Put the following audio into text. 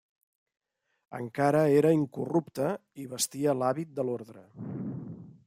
Encara era incorrupte i vestia l'hàbit de l'orde.